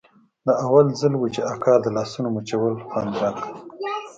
دا اول ځل و چې د اکا د لاسونو مچول خوند راکړ.